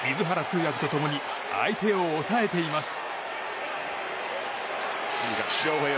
通訳と共に相手を抑えています。